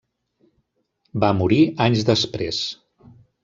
Va morir anys després.